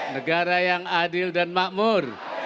negara yang adil dan makmur